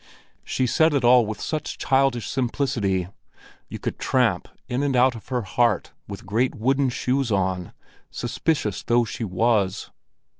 She said it all with such childish simplicity; you could tramp in and out of her heart with great wooden shoes on, suspicious though she was.